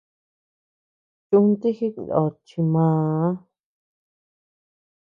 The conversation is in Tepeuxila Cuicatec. Chúnti jiknót chi màà.